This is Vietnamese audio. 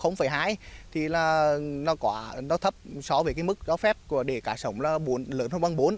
nó thấp so với mức góp phép để cá sống lớn hơn bằng bốn